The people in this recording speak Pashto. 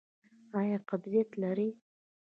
ایا قبضیت لرئ؟